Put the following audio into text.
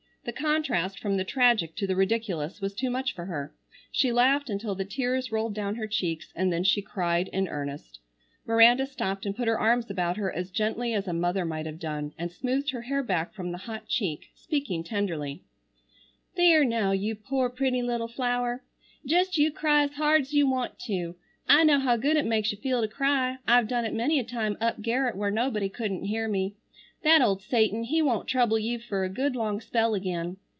The contrast from the tragic to the ridiculous was too much for her. She laughed until the tears rolled down her cheeks, and then she cried in earnest. Miranda stopped and put her arms about her as gently as a mother might have done, and smoothed her hair back from the hot cheek, speaking tenderly: "There now, you poor pretty little flower. Jest you cry 's hard 's you want to. I know how good it makes you feel to cry. I've done it many a time up garret where nobody couldn't hear me. That old Satan, he won't trouble you fer a good long spell again.